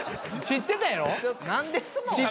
知ってたやろ？